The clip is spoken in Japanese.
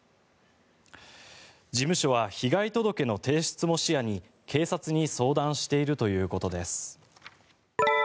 事務所は被害届の提出も視野に警察に相談しているということです。